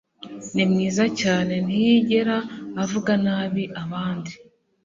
Ni mwiza cyane. Ntiyigera avuga nabi abandi.